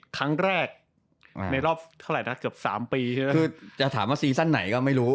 ครั้งแรกในรอบเท่าไหร่นะเกือบ๓ปีใช่ไหมคือจะถามว่าซีซั่นไหนก็ไม่รู้